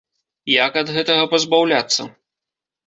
Як ад гэтага пазбаўляцца?